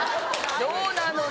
どうなの？